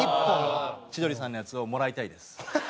千鳥さんのやつをもらいたいです。